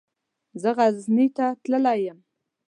زه غزني ته تللی يم.